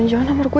sisi per gear